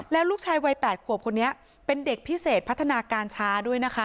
แล้วลูกชายวัย๘ขวบคนนี้เป็นเด็กพิเศษพัฒนาการช้าด้วยนะคะ